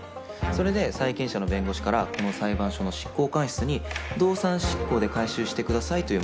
それで債権者の弁護士からこの裁判所の執行官室に動産執行で回収してくださいという申し立てがあった。